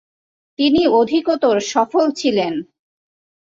তিনি অধিকতর সফল ছিলেন।